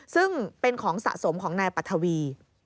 ซึ่งเป็นของสะสมของนายปัทวี